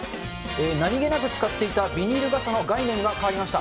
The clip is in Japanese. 何気なく使っていたビニール傘の概念が変わりました。